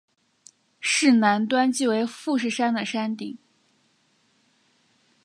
市南端即为富士山的山顶。